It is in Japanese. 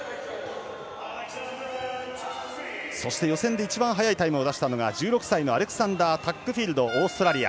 予選で一番速いタイムを出したのが１６歳のアレクサンダー・タックフィールドオーストラリア。